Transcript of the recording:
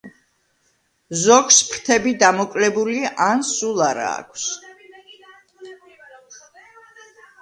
ზოგს ფრთები დამოკლებული ან სულ არ აქვს.